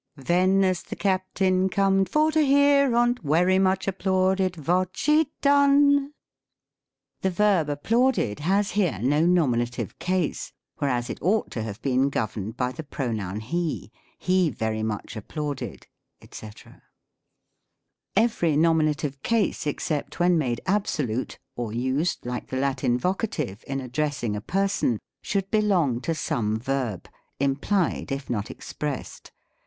" Ven as the Captain corned for to hear on't, Wery much applauded vot she'd done." The verb applauded has here no nominative case, whereas it ought to have been governed by the pronoun he. " He very much applauded,"' &c. Every nominative case, except when made absolute, or used, like the Latin Vocative, in addressing a per son, should belong to some verb, implied if not ex pressed.